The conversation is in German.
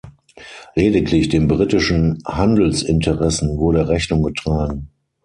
Lediglich den britischen Handelsinteressen wurde Rechnung getragen.